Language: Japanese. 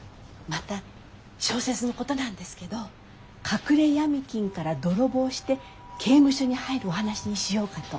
また小説のことなんですけど隠れ闇金から泥棒して刑務所に入るお話にしようかと。